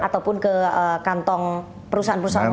ataupun ke kantong perusahaan perusahaan lain